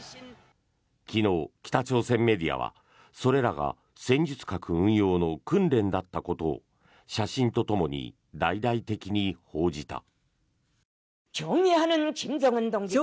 昨日、北朝鮮メディアはそれらが戦術核運用の訓練だったことを写真とともに大々的に報じた。